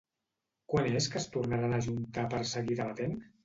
Quan és que es tornaran a ajuntar per seguir debatent?